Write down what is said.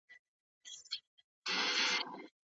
ما پرون په یوټیوب کې نوی درس ولید.